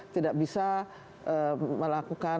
tidak bisa melakukan